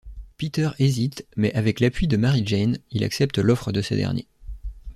Peter hésite mais avec l'appui de Mary-Jane, il accepte l'offre de ce dernier.